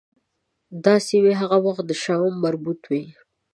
دا سیمې هغه وخت د شام مربوط وې.